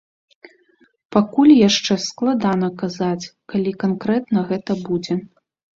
Пакуль яшчэ складана казаць, калі канкрэтна гэта будзе.